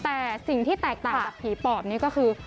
แต่สิ่งที่แตกต่างจากผีปอบนี้ก็คือ